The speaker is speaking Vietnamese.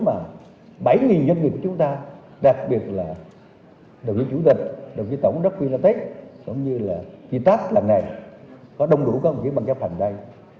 một câu hỏi rất lớn mà bảy nhân viên của chúng ta đặc biệt là đồng chí chủ tịch đồng chí tổng đốc quyên la tết đồng chí tát làng này có đông đủ công nghiệp bằng các phần đây